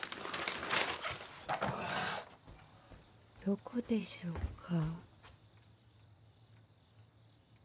・どこでしょうか。